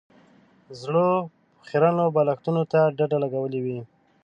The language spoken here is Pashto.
زړو به خيرنو بالښتونو ته ډډې لګولې وې.